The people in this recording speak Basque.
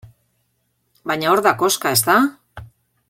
Baina hor da koxka, ezta?